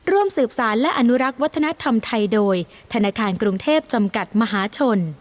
ร่วมสืบสารและอนุรักษ์วัฒนธรรมไทยโดยธนาคารกรุงเทพจำกัดมหาชน